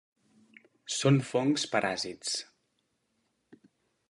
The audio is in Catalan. Són fongs paràsits.